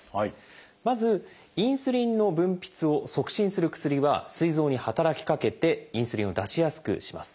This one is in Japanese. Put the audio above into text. まずインスリンの分泌を促進する薬はすい臓に働きかけてインスリンを出しやすくします。